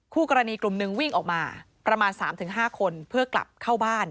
คู่กรณีกลุ่มหนึ่งวิ่งออกมาประมาณ๓๕คนเพื่อกลับเข้าบ้าน